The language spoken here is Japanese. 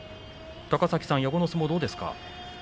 高崎さん矢後の相撲はどうですか。